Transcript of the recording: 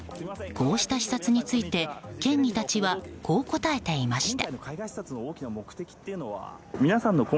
こうした視察について県議たちは、こう答えていました。